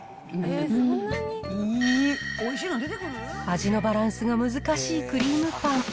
味のバランスが難しいクリームパン。